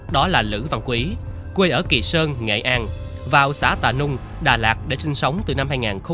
đó là lữ văn quý quê ở kỳ sơn nghệ an vào xã tà nung đà lạt để sinh sống từ năm hai nghìn một mươi